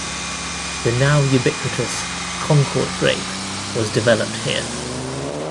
The now-ubiquitous Concord grape was developed here.